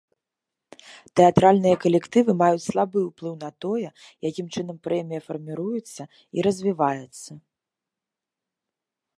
Тэатральныя калектывы маюць слабы ўплыў на тое, якім чынам прэмія фарміруецца і развіваецца.